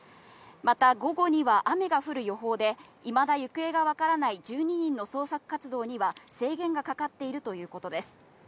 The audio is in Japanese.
また午後には雨が降る予報で、いまだ行方がわからない１２人の捜索活動には制限がかかっているということです。